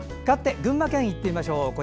かわって群馬県いってみましょう。